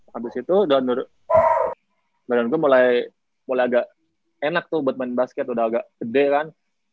habis itu down badanku mulai agak enak tuh buat main basket udah agak gede kan